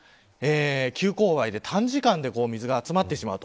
急こう配で短時間で水が集まってしまう。